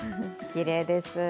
きれいです。